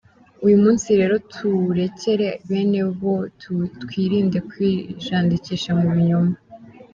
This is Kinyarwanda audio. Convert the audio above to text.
Uyu munsi rero tuwurekere bene wo twirinde kwijandika mu binyoma.